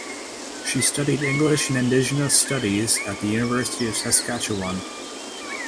She studied English and Indigenous Studies at the University of Saskatchewan.